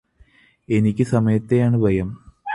എനിക്ക് സമയത്തെയാണ് ഭയം